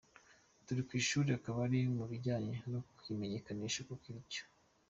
"Turi ku ishuri, akaba ari mu bijyanye no kuyimenyekanisha, kuko icyo.